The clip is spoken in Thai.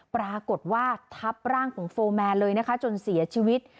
ปรากฏว่าทับร่างของโฟร์แมนเลยนะคะจนเสียชีวิต